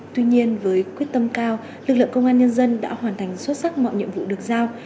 tuy nhiên với quyết tâm cao lực lượng công an nhân dân đã hoàn thành xuất sắc mọi nhiệm vụ được giao